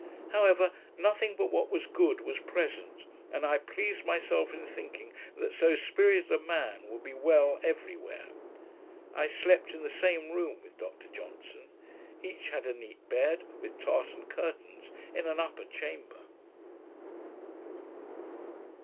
However, nothing but what was good was present, and I pleased myself in thinking that so spirited a man should be well every where. I slept in the same room with Dr Johnson. Each had a neat bed, with tartan curtains, in an upper chamber.